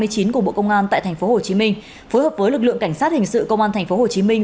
của bộ công an tại thành phố hồ chí minh phối hợp với lực lượng cảnh sát hình sự công an thành phố hồ chí minh